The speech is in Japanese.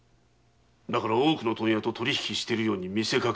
だから多くの問屋と取り引きしているように見せかけるためだ。